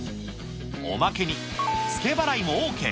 おまけに、付け払いもＯＫ。